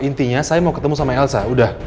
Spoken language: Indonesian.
intinya saya mau ketemu sama elsa